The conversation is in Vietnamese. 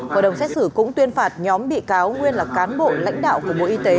hội đồng xét xử cũng tuyên phạt nhóm bị cáo nguyên là cán bộ lãnh đạo của bộ y tế